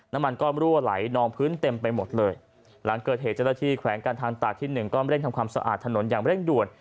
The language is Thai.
น้ำมันก็รั่วไหลนองพื้นเต็มไปหมดเลยหลังเกิดเหตุเจ้าหน้าที่แขวงการทางตากที่หนึ่งก็เร่งทำความสะอาดถนนอย่างเร่งด่วน